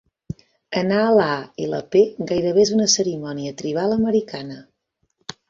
"Anar a la A i la P" gairebé és una cerimònia tribal americana.